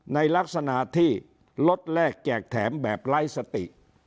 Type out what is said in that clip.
ในลักษณะที่รถแรกแจกแถมแบบไร้สติ